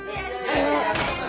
あの。